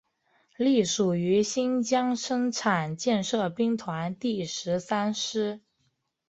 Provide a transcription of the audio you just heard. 隶属于新疆生产建设兵团第十三师。